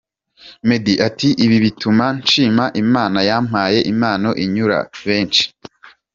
Meddy ati ’Ibi bituma nshima Imana yampaye impano inyura benshi’.